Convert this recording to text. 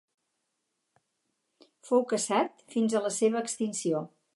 Fou caçat fins a la seva extinció.